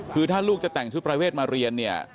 คือถ้าลูกจะแต่งชุดปรายเวทมาเรียน